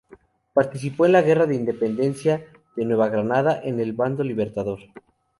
Participó en la Guerra de Independencia de Nueva Granada en el bando libertador.